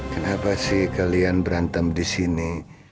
kenapa sih kalian berantem di sini